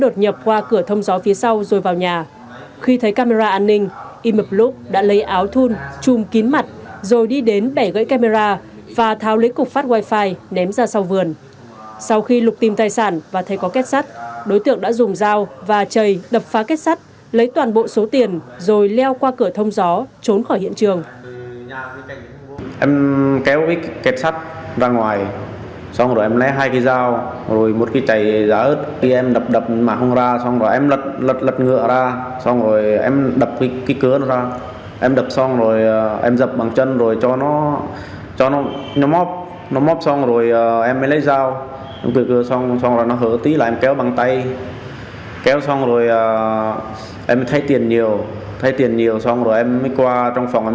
chú thị trấn buôn chấp huyện cromana về việc bị kẻ gian đột nhập vào nhà cậy phá kết sát lấy cắp gần sáu trăm linh triệu đồng